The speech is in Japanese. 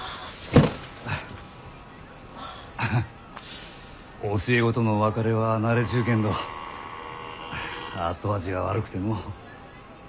ハハ教え子との別れは慣れちゅうけんど後味が悪くてのう。